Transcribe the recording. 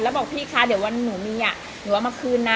แล้วบอกพี่ขาเด๋๋๋วว่านงหนูมีหนูว่ามาคืนนะ